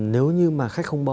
nếu như mà khách không bo